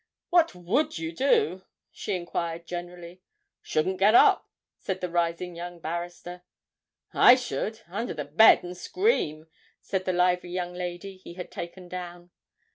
What would you do?' she inquired generally. 'Shouldn't get up,' said a rising young barrister. 'I should under the bed, and scream,' said the lively young lady he had taken down.